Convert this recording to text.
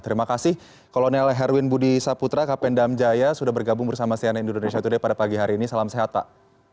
terima kasih kolonel herwin budi saputra kapendam jaya sudah bergabung bersama sian indonesia today pada pagi hari ini salam sehat pak